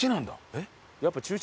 えっ？